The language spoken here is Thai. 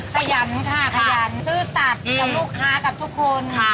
ขยันซื้อสัตว์กับลูกค้ากับทุกคน